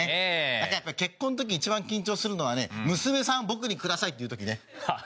あとやっぱり結婚の時一番緊張するのはね「娘さんを僕にください」って言う時ね。